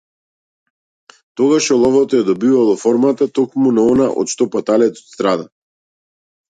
Тогаш оловото ја добивало формата токму на она од што паталецот страда.